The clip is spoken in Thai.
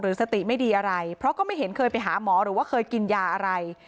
สติไม่ดีอะไรเพราะก็ไม่เห็นเคยไปหาหมอหรือว่าเคยกินยาอะไร